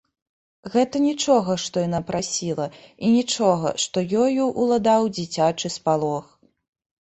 Гэта нічога, што яна прасіла, і нічога, што ёю ўладаў дзіцячы спалох.